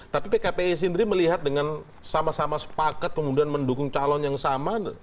tapi pkpi sendiri melihat dengan sama sama sepakat kemudian mendukung calon yang sama